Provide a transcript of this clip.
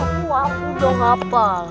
aku dong hafal